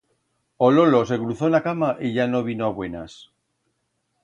O lolo se cruzó en a cama y ya no vino a buenas.